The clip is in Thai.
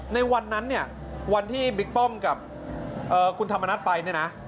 ในวันนั้นวันที่บิ๊กป้องกับคุณธรรมนัทไป